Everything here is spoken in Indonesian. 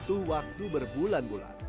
butuh waktu berbulan bulan